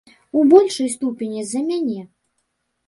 У большай ступені з-за мяне.